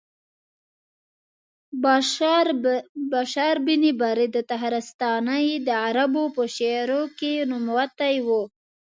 بشار بن برد تخارستاني د عربو په شعر کې نوموتی و.